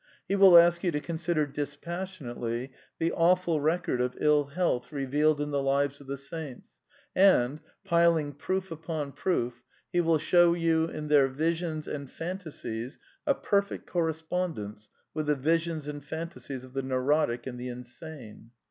He will ask you to consider dispassionately the awful record of ill health re vealed in the lives of the Saints, and, piling proof upon proof, he will show you in their visions and phantasies a perfect correspondence with the visions and phantasies of the neurotic and the insane.